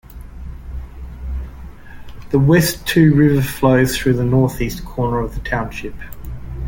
The West Two River flows through the northeast corner of the township.